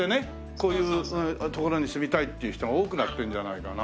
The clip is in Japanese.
こういう所に住みたいって人が多くなってるんじゃないかな。